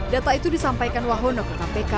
data itu disampaikan wahono ke kpk